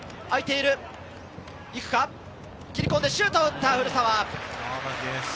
切り込んでシュートを打った、古澤。